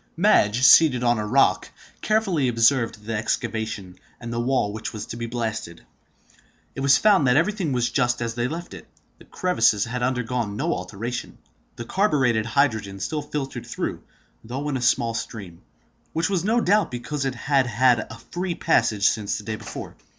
Madge, seated on a rock, carefully observed the excavation, and the wall which was to be blasted. It was found that everything was just as they left it. The crevices had undergone no alteration; the carburetted hydrogen still filtered through, though in a small stream, which was no doubt because it had had a free passage since the day before.